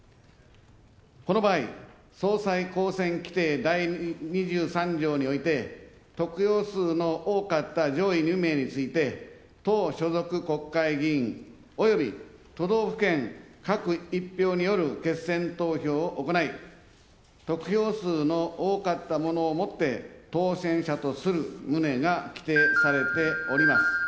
この場合、総裁当選規定第２３条において得票数の多かった上位２名について党所属国会議員、および都道府県各１票による決選投票を行い、得票数の多かった者をもって当選者とする旨が規定されております。